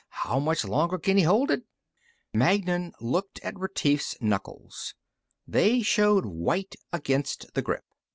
"How much longer can he hold it?" Magnan looked at Retief's knuckles. They showed white against the grip.